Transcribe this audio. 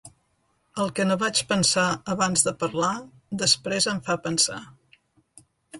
El que no vaig pensar abans de parlar després em fa pensar.